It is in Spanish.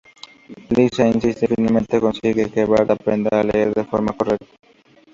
Lisa insiste y finalmente consigue que Bart aprenda a leer de forma correcta.